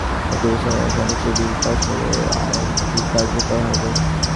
রাজ্য বিধানসভার শীতকালীন অধিবেশনে এ-সংক্রান্ত বিল পাস হলেই আইনটি কার্যকর হবে।